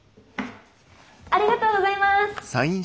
ありがとうございます！